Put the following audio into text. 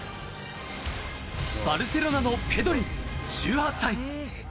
バルセロナのペドリ、１８歳。